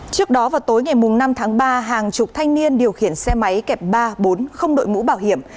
trước đó vào tối ngày năm tháng ba hàng chục thanh niên điều khiển xe máy kẹp ba bốn không đội mũ bảo hiểm